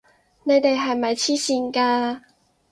你哋係咪癡線㗎！